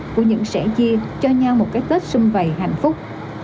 của những sẻ chia cho nhau một cái tết xung vầy hạnh phúc